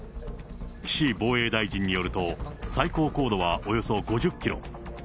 岸防衛大臣によると、最高高度はおよそ５０キロ。